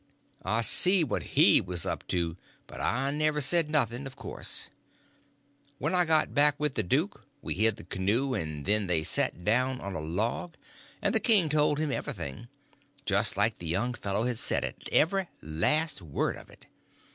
I see what he was up to; but I never said nothing, of course. When I got back with the duke we hid the canoe, and then they set down on a log, and the king told him everything, just like the young fellow had said it—every last word of it.